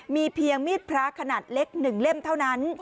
มีเพียงมีดพระขนาดเล็ก๑เล่มเท่านั้น